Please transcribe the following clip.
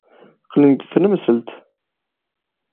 Qqlen-d seg tnemselt.